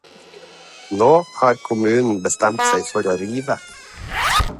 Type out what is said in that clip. Nå har kommunen bestemt seg for å rive.